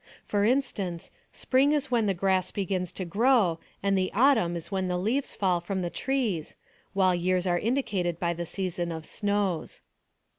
For instance, spring is when the grass begins to grow, and the autumn when the leaves fall (ruin the trees, while years are indicated by the season of snows.